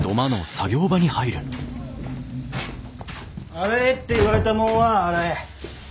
「洗え」って言われたもんは洗え。